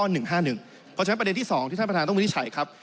เพราะฉะนั้นประเด็นที่๒ที่ท่านประธานต้องวินิจฉัยครับ